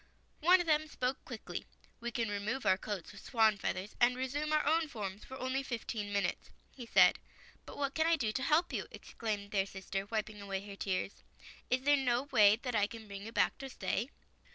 One of them spoke quickly. "We can remove our coats of swan's feathers and resume our own forms for only fifteen min utes," he said. " But what can I do to help you," ex claimed their sister, wiping away her tears. " Is there no way that I can bring you back to stay?